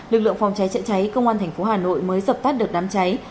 lực lượng phòng cháy chạy cháy công an tp hà nội mới dập tắt được đám cháy